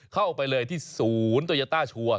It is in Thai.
เข้าไปเลยที่ศูนย์โตยาต้าชัวร์